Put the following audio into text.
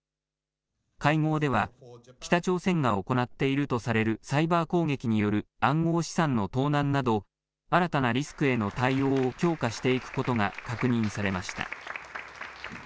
会合では、北朝鮮が行っているとされるサイバー攻撃による暗号資産の盗難など、新たなリスクへの対応を強化していくことが確認されました。